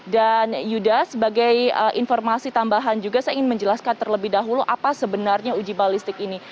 dan yuda sebagai informasi tambahan juga saya ingin menjelaskan terlebih dahulu apa sebenarnya uji balistik ini